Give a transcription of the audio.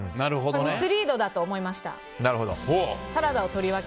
ミスリードだと思いました。